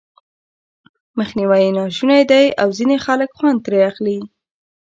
مخنيوی یې ناشونی دی او ځينې خلک خوند ترې اخلي.